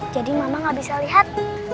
jadi mama gak bisa liat